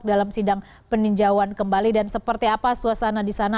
dalam sidang peninjauan kembali dan seperti apa suasana di sana